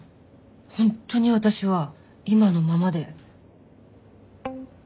本当に私は今のままで。